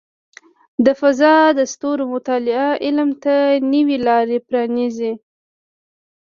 د فضاء د ستورو مطالعه علم ته نوې لارې پرانیزي.